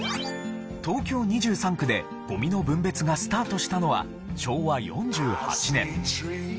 東京２３区でゴミの分別がスタートしたのは昭和４８年。